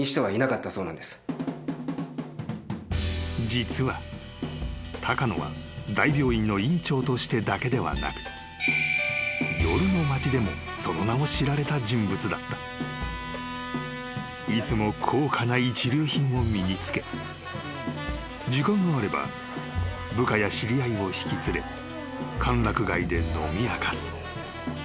［実は鷹野は大病院の院長としてだけではなく］［いつも高価な一流品を身に着け時間があれば部下や知り合いを引き連れ歓楽街で飲み明かす］